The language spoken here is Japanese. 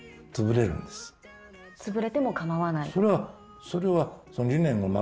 つぶれても構わない？